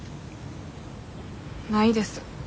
ないです。